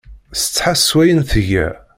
Tessetḥa s wayen tga.